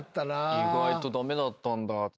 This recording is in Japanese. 意外と駄目だったんだ。